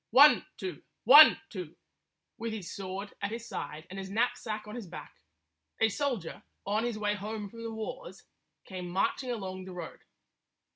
One, two ! One, two ! With his sword at his side and his knapsack on his back, a soldier, on his way home from the wars, came marching along the road.